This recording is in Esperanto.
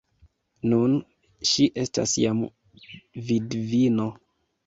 Nun ŝi estas jam vidvino!